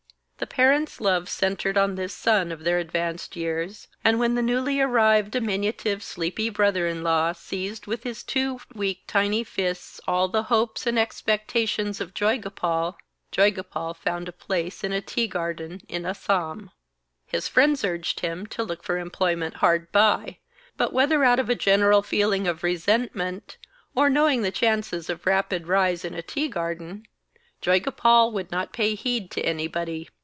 The parents' love centred in this son of their advanced years, and when the newly arrived, diminutive, sleepy brother in law seized with his two weak tiny fists all the hopes and expectations of Joygopal, Joygopal found a place in a tea garden in Assam. His friends urged him to look for employment hard by, but whether out of a general feeling of resentment, or knowing the chances of rapid rise in a tea garden, Joygopal would not pay heed to anybody.